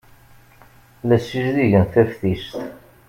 La ssizdigen taftist.